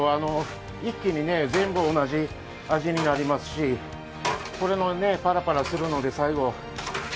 一気に全部同じ味になりますし、これのパラパラするので最後。